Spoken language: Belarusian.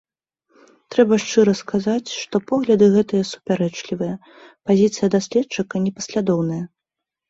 Трэба шчыра сказаць, што погляды гэтыя супярэчлівыя, пазіцыя даследчыка непаслядоўная.